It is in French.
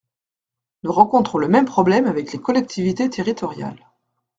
Nous rencontrons le même problème avec les collectivités territoriales.